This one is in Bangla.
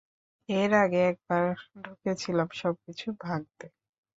এর আগে একবার ঢুকেছিলাম সবকিছু ভাঙতে।